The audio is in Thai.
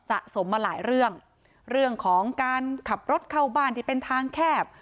สะสมมาหลายเรื่องเรื่องของการขับรถเข้าบ้านที่เป็นทางแคบ